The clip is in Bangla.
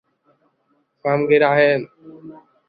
বর্তমানে দলের অধিনায়কের দায়িত্ব পালন করছেন।